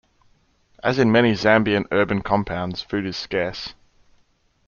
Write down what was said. As in many Zambian Urban Compounds, food is scarce.